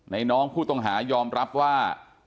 น้องผู้ต้องหายอมรับว่า